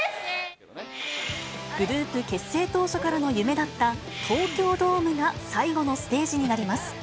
グループ結成当初からの夢だった、東京ドームが最後のステージになります。